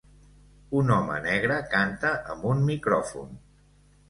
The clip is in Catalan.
Un home negre canta amb un micròfon